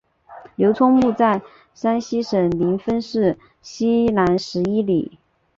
刘聪墓在山西省临汾市西南十一里。